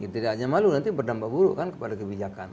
tidak hanya malu nanti berdampak buruk kan kepada kebijakan